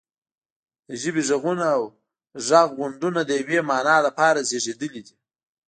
د ژبې غږونه او غږغونډونه د یوې معنا لپاره زیږیدلي دي